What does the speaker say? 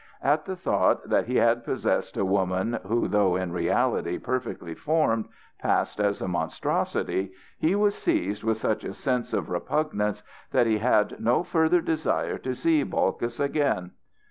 At the thought that he had possessed a woman who, though in reality perfectly formed, passed as a monstrosity, he was seized with such a sense of repugnance that he had no further desire to see Balkis again.